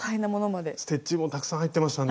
ステッチもたくさん入ってましたね。